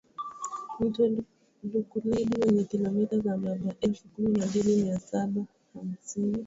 Mto Lukuledi wenye kilometa za mraba elfu kumi na mbili mia sabo hamsini